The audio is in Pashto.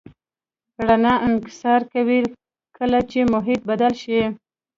رڼا انکسار کوي کله چې محیط بدل شي.